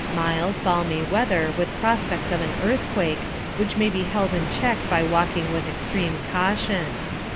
Mild, balmy weather with prospects of an earthquake, which may be held in check by walking with extreme caution.